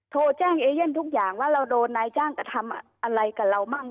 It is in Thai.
โทรแจ้งเอเย่นทุกอย่างว่าเราโดนนายจ้างกระทำอะไรกับเรามั่ง